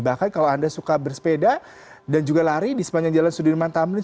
bahkan kalau anda suka bersepeda dan juga lari di sepanjang jalan sudirman tamrin